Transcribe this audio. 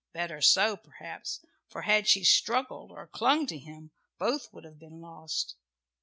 Better so, perhaps, for had she struggled or clung to him, both would have been lost.